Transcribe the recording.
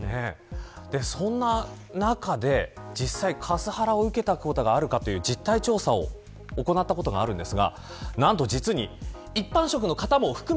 そんな中で実際カスハラを受けたことがあるかという実態調査を行ったことがあります。